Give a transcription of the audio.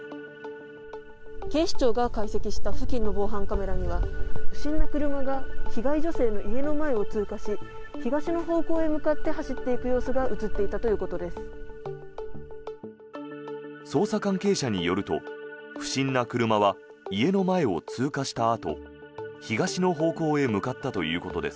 警視庁が解析した付近の防犯カメラには不審な車が被害女性の家の前を通過し東の方向へ向かって走っていく様子が映っていたということです。